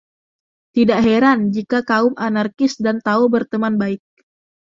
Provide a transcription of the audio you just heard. Tidak heran jika kaum anarkis dan Tao berteman baik.